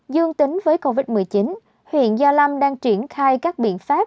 dương tính với covid một mươi chín huyện gia lâm đang triển khai các biện pháp